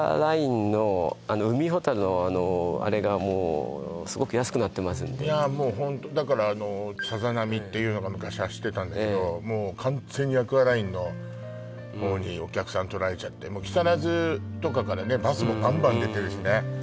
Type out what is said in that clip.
あの海ほたるのあのあれがもういやもうホントだからあのさざなみっていうのが昔走ってたんだけどもう完全にアクアラインのほうにお客さん取られちゃってもう木更津とかからねバスもバンバン出てるしね